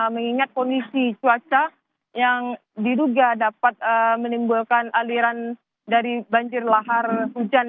mengingat kondisi cuaca yang diduga dapat menimbulkan aliran dari banjir lahar hujan